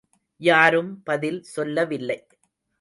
யாரும் பதில் சொல்லவில்லை.